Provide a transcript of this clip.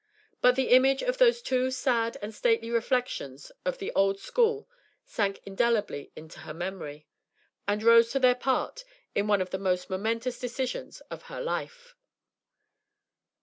But the image of those two sad and stately reflections of the old school sank indelibly into her memory, and rose to their part in one of the most momentous decisions of her life.